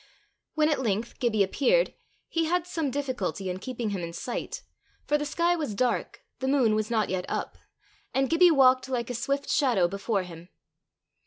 When at length Gibbie appeared, he had some difficulty in keeping him in sight, for the sky was dark, the moon was not yet up, and Gibbie walked like a swift shadow before him.